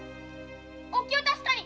お気を確かに！